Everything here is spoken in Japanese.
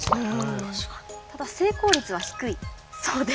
ただ成功率は低いそうで。